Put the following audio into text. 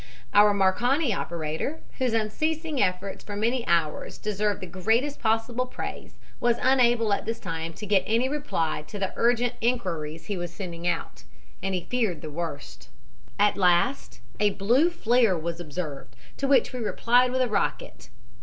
"Our Marconi operator, whose unceasing efforts for many hours deserve the greatest possible praise, was unable at this time to get any reply to the urgent inquiries he was sending out, and he feared the worst. "At last a blue flare was observed, to which we replied with a rocket.